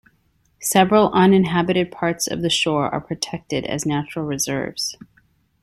Several uninhabited parts of the shore are protected as natural reserves.